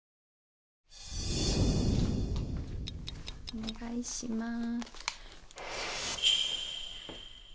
お願いします。